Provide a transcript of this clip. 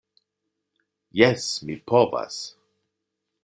Jes, mi povas.